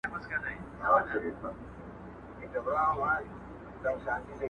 چي خاوند ئې لېټۍ خوري، د سپو بې څه حال وي.